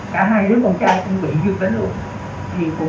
cả hai đứa con trai cũng bị dương tính luôn